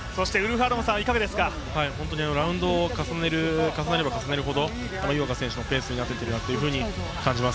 ラウンド重ねれば重ねるほど井岡選手のペースになっているなと感じます。